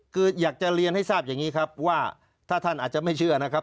คืออยากจะเรียนให้ทราบอย่างนี้ครับว่าถ้าท่านอาจจะไม่เชื่อนะครับ